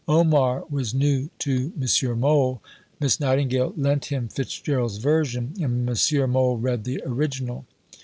Omar was new to M. Mohl. Miss Nightingale lent him Fitz Gerald's version, and M. Mohl read the original.